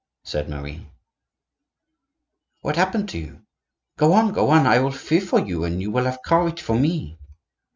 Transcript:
said Marie. "I." "What happened to you? Go on, go on; I will fear for you, and you will have courage for me."